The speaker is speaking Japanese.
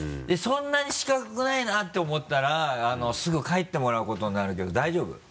そんなに四角くないなって思ったらすぐ帰ってもらうことになるけど大丈夫？